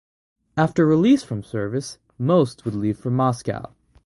After release from service, most would leave for Moscow.